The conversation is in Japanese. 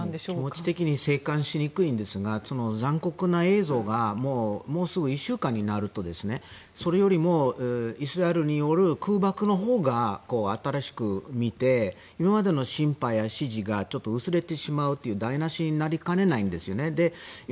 気持ち的に静観しにくいんですが残酷な映像がもうすぐ１週間になるとそれよりもイスラエルによる空爆のほうが新しく見て今までの心配や支持が薄れてしまうという台無しになりかねないんですよね。